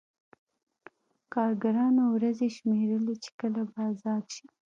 کارګرانو ورځې شمېرلې چې کله به ازاد شي